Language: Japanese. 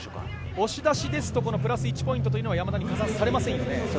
押し出しですとプラス１ポイントが山田に加算されますよね。